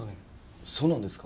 そうなんですか？